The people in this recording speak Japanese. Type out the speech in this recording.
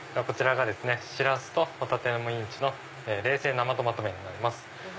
しらすとホタテのミンチの冷製生トマト麺になります。